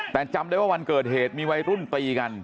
แต่จำได้ว่าวันเกิดเหตุมีวัยรุ่นตีกัน